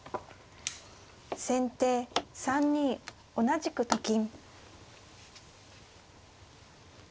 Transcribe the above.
先手３二同じくと金。